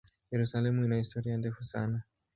Yerusalemu ina historia ndefu sana.